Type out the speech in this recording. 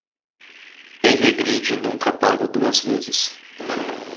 Quem regride nunca paga duas vezes.